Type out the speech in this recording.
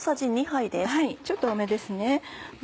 ちょっと多めですね。